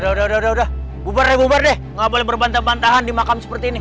udah bubar deh bubar deh nggak boleh berbantah bantahan di makam seperti ini